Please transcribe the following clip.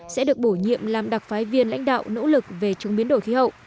sẽ được bổ nhiệm làm đặc phái viên lãnh đạo nỗ lực về chống biến đổi khí hậu